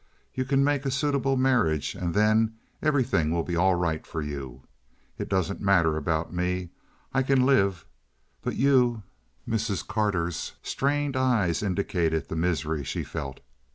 You can make a suitable marriage, and then everything will be all right for you. It doesn't matter about me. I can live. But you—" Mrs. Carter's strained eyes indicated the misery she felt.